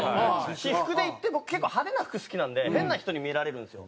私服で行って僕結構派手な服好きなんで変な人に見られるんですよ。